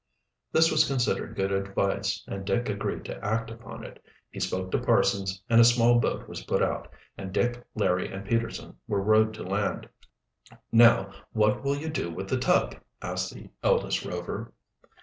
This was considered good advice, and Dick agreed to act upon it. He spoke to Parsons, and a small boat was put out, and Dick, Larry, and Peterson were rowed to land. "Now what will you do with the tug?" asked the eldest Rover.